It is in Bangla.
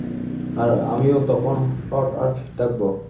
আর আমি তখনও হট আর ফিট থাকব।